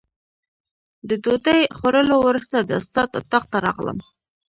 د ډوډۍ خوړلو وروسته د استاد اتاق ته راغلم.